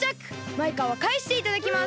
マイカはかえしていただきます！